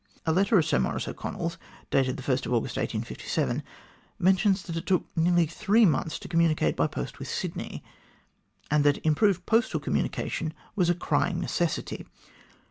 A letter of Sir Maurice O'Connell's, dated August 1, 1857, mentions that it took nearly three months to communicate by post with Sydney, and that improved postal communication was a crying necessity.